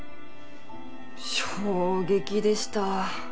衝撃でした。